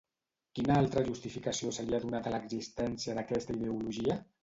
Quina altra justificació se li ha donat a l'existència d'aquesta ideologia?